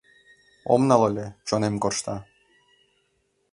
Ом нал ыле - чонем коршта.